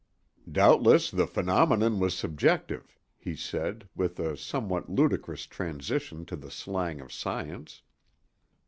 "Doubtless the phenomenon was subjective," he said, with a somewhat ludicrous transition to the slang of science.